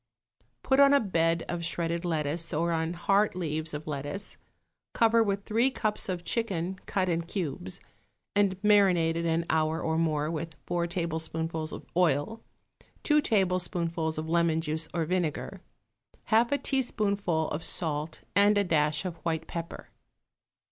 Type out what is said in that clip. Put on a bed of shredded lettuce or on heart leaves of lettuce; cover with three cups of chicken cut in cubes and marinated an hour or more with four tablespoonfuls of oil, two tablespoonfuls of lemon juice or vinegar, half a teaspoonful of salt and a dash of white pepper.